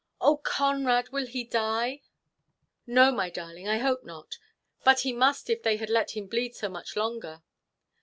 "Oh, Conrad, will he die?" "No, my darling, I hope not; but he must if they had let him bleed so much longer."